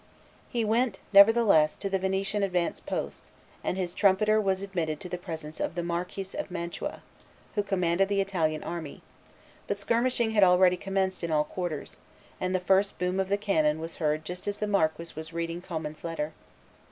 He went, nevertheless, to the Venetian advanced posts, and his trumpeter was admitted to the presence of the Marquis of Mantua, who commanded the Italian army; but skirmishing had already commenced in all quarters, and the first boom of the cannon was heard just as the marquis was reading Commynes' letter.